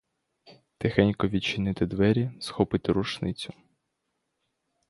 Тихенько відчинити двері, схопити рушницю.